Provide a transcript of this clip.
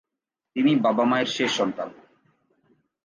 তিনি বাবা-মায়ের শেষ সন্তান।